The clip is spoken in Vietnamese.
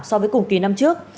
so với cùng kỳ năm trước